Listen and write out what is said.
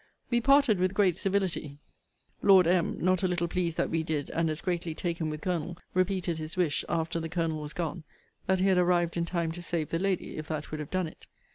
We parted with great civility: Lord M. (not a little pleased that we did, and as greatly taken with Colonel) repeated his wish, after the Colonel was gone, that he had arrived in time to save the lady, if that would have done it.